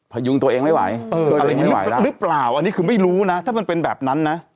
พยุงตัวเองไม่ไหวอะไรอย่างนี้หรือเปล่าอันนี้คือไม่รู้นะถ้ามันเป็นแบบนั้นนะ